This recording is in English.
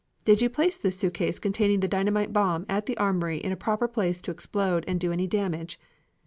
Did you place this suitcase containing the dynamite bomb at the armory in a proper place to explode and do any damage?